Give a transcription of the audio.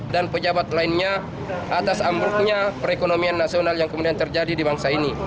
dan pejabat lainnya atas ambruknya perekonomian nasional yang kemudian terjadi di bangsa ini